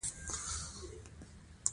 په افغانستان کې بزګان شتون لري.